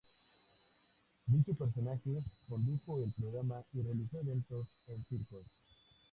Dicho personaje condujo el programa y realizó eventos en circos.